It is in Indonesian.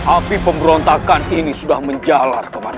api pemberontakan ini sudah menjalar kemana